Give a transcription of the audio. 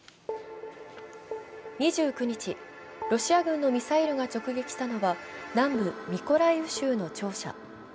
２９日、ロシア軍のミサイルが直撃したのは南部ミコライウ州の庁舎。